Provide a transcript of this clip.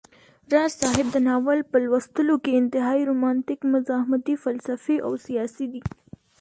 راز صاحب دا ناول په لوستلو کي انتهائى رومانتيک، مزاحمتى، فلسفى او سياسى دى